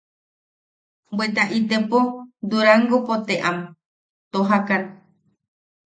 Bweta itepo Durangopo te am tojakan.